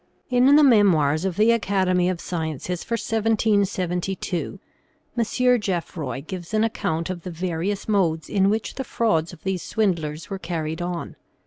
In the "Memoirs of the Academy of Sciences" for 1772, M. Geoffroy gives an account of the various modes in which the frauds of these swindlers were carried on.